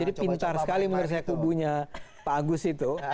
jadi pintar sekali menurut saya kubunya pak agus itu